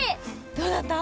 どうだった？